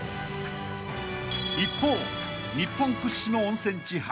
［一方日本屈指の温泉地